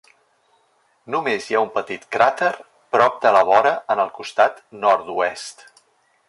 Només hi ha un petit cràter prop de la vora en el costat nord-oest.